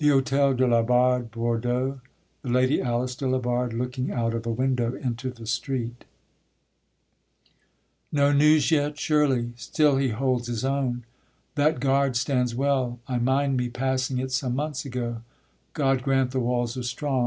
The Hotel de la Barde, Bordeaux. The Lady Alice de la Barde looking out of a window into the street. No news yet! surely, still he holds his own: That garde stands well; I mind me passing it Some months ago; God grant the walls are strong!